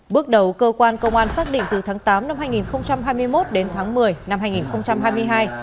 bước đầu cơ quan công an xác định từ tháng tám năm hai nghìn hai mươi một đến tháng một mươi năm hai nghìn hai mươi hai